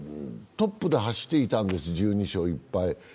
トップで走っていたんです、１２勝１敗。